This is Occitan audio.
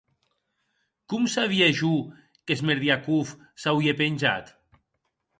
Com sabia jo que Smerdiakov s'auie penjat?